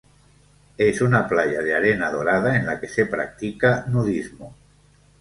Es una playa de arena dorada en la que se practica nudismo.